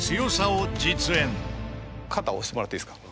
肩押してもらっていいですか？